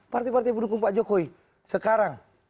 partai partai pendukung pak jokowi sekarang